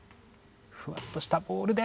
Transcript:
ふわっとしたボールで。